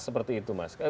seperti itu mas